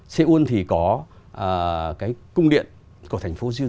seoul thì có cái cung điện của thành phố riêng